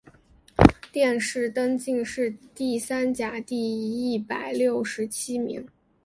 殿试登进士第三甲第一百六十七名。